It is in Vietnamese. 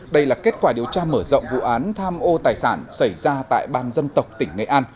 đây là kết quả điều tra mở rộng vụ án tham ô tài sản xảy ra tại ban dân tộc tỉnh nghệ an